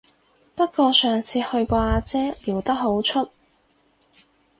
不過上次去個阿姐撩得好出